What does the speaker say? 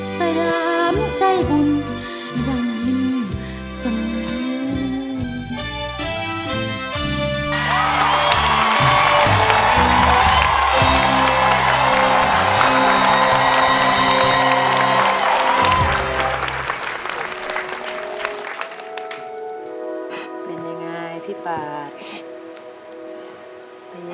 สยามใจบุญยังลืมสมัย